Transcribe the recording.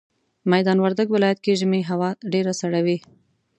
ميدان وردګ ولايت کي ژمي هوا ډيره سړه وي